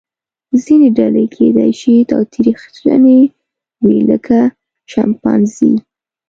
ځینې ډلې کیدای شي تاوتریخجنې وي لکه شامپانزې.